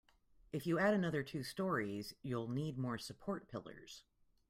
If you add another two storeys, you'll need more support pillars.